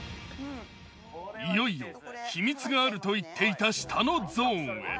いよいよ秘密があると言っていた下のゾーンへ。